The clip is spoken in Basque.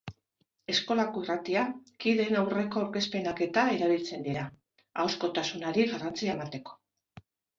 Eskolako irratia, kideen aurreko aurkezpenak-eta erabiltzen dira, ahozkotasunari garrantzia emateko.